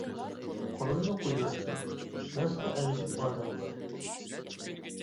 قولۇمنى قويۇۋەتمە، مەن ساڭا ئەگىشىپ ئادەم بولاي.